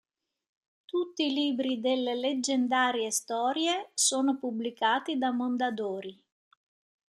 Tutti i libri delle "Leggendarie storie" sono pubblicati da Mondadori.